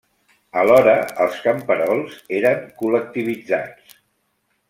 Alhora, els camperols eren col·lectivitzats.